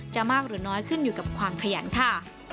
มากหรือน้อยขึ้นอยู่กับความขยันค่ะ